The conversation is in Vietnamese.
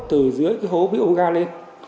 từ dưới cái hố biêu gà lên